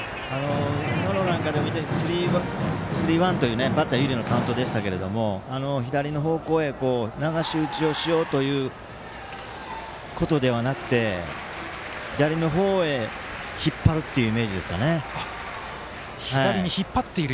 今のなんかを見てもスリーワンというバッター有利のカウントでしたが左の方向へ、流し打ちをしようということではなくて左の方へ引っ張るっていうイメージですかね。